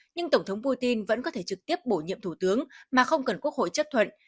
nhưng tổng thống putin vẫn có thể trực tiếp bổ nhiệm thủ tướng mà không cần quốc hội chấp thuận